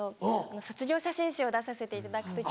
卒業写真集を出させていただく時に。